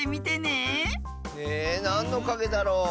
えなんのかげだろう。